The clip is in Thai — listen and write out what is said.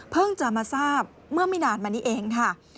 จะมาทราบเมื่อไม่นานมานี้เองค่ะ